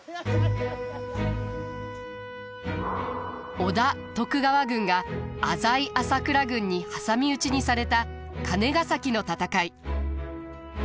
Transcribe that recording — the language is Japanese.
織田徳川軍が浅井朝倉軍に挟み撃ちにされた金ヶ崎の戦い。